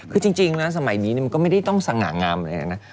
คือจริงนะสมัยนี้มันก็ไม่ได้ต้องสง่างามอะไรนะ